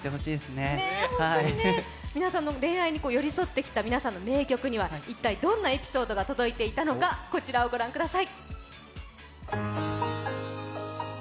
皆さんの恋愛に寄り添ってきた名曲には一体どんなエピソードが届いたのかこちらをご覧ください。